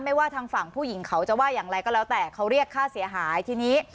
ว่าทางฝั่งผู้หญิงเขาจะว่าอย่างไรก็แล้วแต่เขาเรียกค่าเสียหายทีนี้